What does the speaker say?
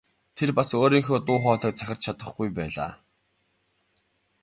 Тэр бас өөрийнхөө дуу хоолойг захирч чадахгүй байлаа.